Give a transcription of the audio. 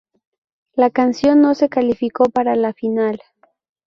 La canción no se calificó para la final.